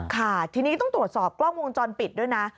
ค่ะทีนี้ต้องตรวจสอบกล้องวงจรปิดด้วยนะ